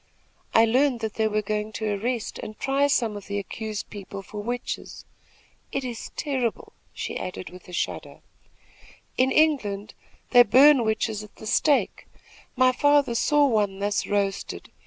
I learned that they were going to arrest and try some of the accused people for witches. It is terrible," she added with a shudder. "In England they burn witches at the stake. My father saw one thus roasted.